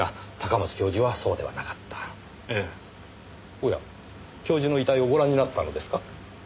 おや教授の遺体をご覧になったのですか？